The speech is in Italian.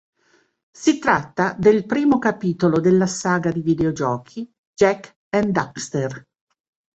Si tratta del primo capitolo della saga di videogiochi "Jak and Daxter".